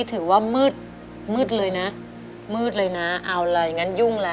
ถือว่ามืดมืดเลยนะมืดเลยนะเอาเลยอย่างนั้นยุ่งแล้ว